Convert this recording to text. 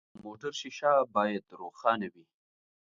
د موټر شیشه باید روښانه وي.